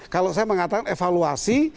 kalau saya mengatakan evaluasi